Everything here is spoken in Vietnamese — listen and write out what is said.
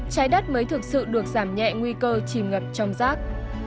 trái đất mới thực sự được giảm nhẹ nguy cơ chìm ngập trong rác